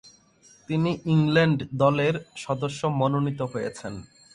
তিনি ইংল্যান্ড দলের সদস্য মনোনীত হয়েছেন।